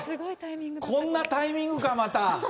こんなタイミングか、また。